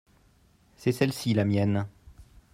c'est celle-ci la mienne.